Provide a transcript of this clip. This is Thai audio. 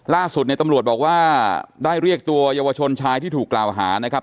ล่าสุดเนี่ยตำรวจบอกว่าได้เรียกตัวเยาวชนชายที่ถูกกล่าวหานะครับ